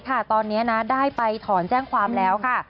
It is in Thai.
ตอนนี้นะได้ไปถอนแจ้งความแล้วค่ะ